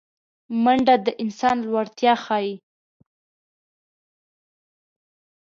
منډه د انسان لوړتیا ښيي